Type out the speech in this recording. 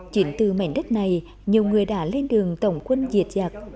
chỉ từ mảnh đất này nhiều người đã lên đường tổng quân diệt giặc